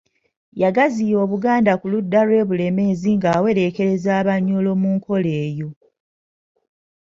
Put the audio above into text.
Yagaziya Obuganda ku ludda lw'e Bulemeezi ng'awereekerezza Abanyoro mu nkola eyo.